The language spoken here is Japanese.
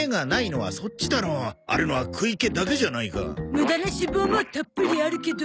無駄な脂肪もたっぷりあるけど。